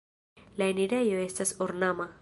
La enirejo estas ornama.